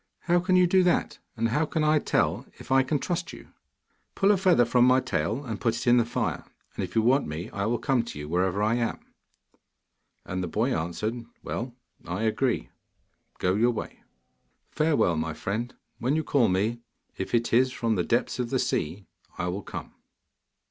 'How can you do that, and how can I tell if I can trust you?' 'Pull a feather from my tail, and put it in the fire, and if you want me I will come to you, wherever I am.' And the boy answered, 'Well, I agree; go your way.' 'Farewell, my friend. When you call me, if it is from the depths of the sea, I will come.